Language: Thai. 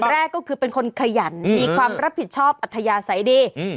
แรกก็คือเป็นคนขยันมีความรับผิดชอบอัธยาศัยดี